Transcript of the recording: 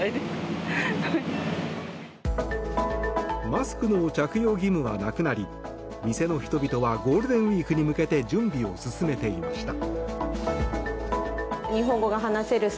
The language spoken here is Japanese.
マスクの着用義務はなくなり店の人々はゴールデンウィークに向けて準備を進めていました。